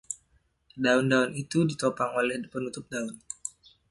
Daun-daun itu ditopang oleh penutup daun.